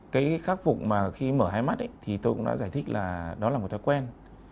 cái khắc phục mà khi mở hai mắt thì tôi cũng đã giải thích là đó là một thói quen